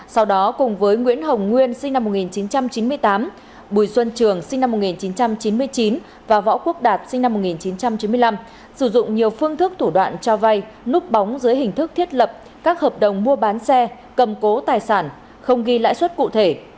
sau đó cùng với nguyễn hồng nguyên sinh năm một nghìn chín trăm chín mươi tám bùi xuân trường sinh năm một nghìn chín trăm chín mươi chín và võ quốc đạt sinh năm một nghìn chín trăm chín mươi năm sử dụng nhiều phương thức thủ đoạn cho vay núp bóng dưới hình thức thiết lập các hợp đồng mua bán xe cầm cố tài sản không ghi lãi suất cụ thể